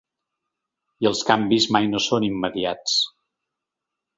I els canvis mai no són immediats.